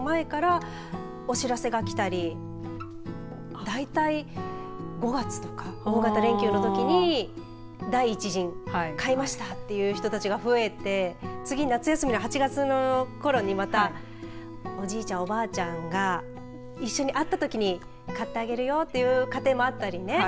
１年以上前から入学する１年以上前からお知らせが来たり大体５月とか大型連休の時に第１陣買いましたっていう人たちが増えて次夏休みの８月のころにおじいちゃん、おばあちゃんが一緒に会ったときに買ってあげるよという家庭もあったりね。